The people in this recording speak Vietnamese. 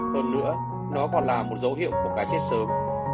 hơn nữa nó còn là một dấu hiệu của cá chết sớm